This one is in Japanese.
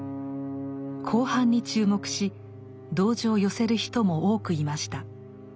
後半に注目し同情を寄せる人も多くいました。